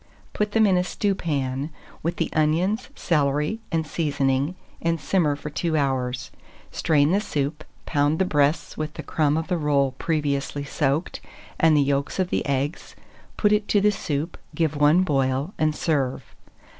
Put them in a stewpan, with the onions, celery, and seasoning, and simmer for 2 hours. Strain the soup; pound the breasts with the crumb of the roll previously soaked, and the yolks of the eggs; put it to the soup, give one boil, and serve.